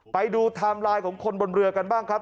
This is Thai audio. ไทม์ไลน์ของคนบนเรือกันบ้างครับ